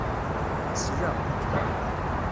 Tesla.